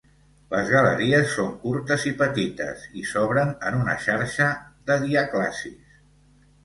Les galeries són curtes i petites i s'obren en una xarxa de diàclasis.